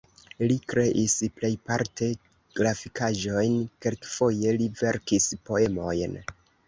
Li kreis plejparte grafikaĵojn, kelkfoje li verkis poemojn.